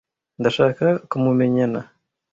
Ndashaka kumumenyana.